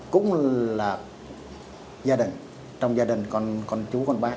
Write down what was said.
cũng là gia đình trong gia đình còn chú còn bác